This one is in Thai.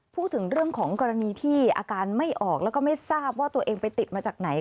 พูดถึงเรื่องของกรณีที่อาการไม่ออกแล้วก็ไม่ทราบว่าตัวเองไปติดมาจากไหน